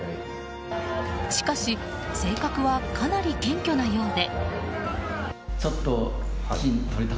しかし性格はかなり謙虚なようで。